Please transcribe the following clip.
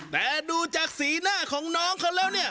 แต่ดูจากสีหน้าของน้องเขาแล้วเนี่ย